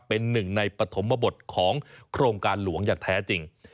เป็นหนึ่งในปฐมบทของโครงการหลวงอย่างแท้จริง